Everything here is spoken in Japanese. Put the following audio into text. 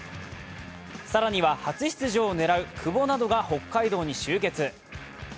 更には初出場を狙う久保などが北海道に集結。